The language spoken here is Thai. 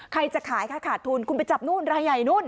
ใครจะขายค่ะขาดทุนคุณไปจับนู่นรายใหญ่นู่น